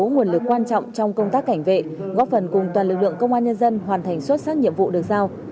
nguồn lực quan trọng trong công tác cảnh vệ góp phần cùng toàn lực lượng công an nhân dân hoàn thành xuất sắc nhiệm vụ được giao